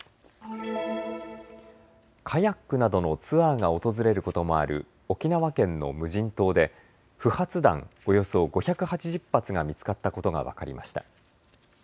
カヤックなどのツアーが訪れることもある沖縄県の無人島で不発弾およそ５８０発が見つかったことが分かりました。